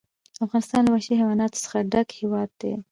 افغانستان له وحشي حیواناتو څخه ډک هېواد دی.